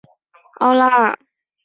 奥拉阿。